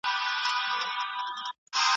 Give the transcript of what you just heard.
ورسره چي وي فتوا د ملایانو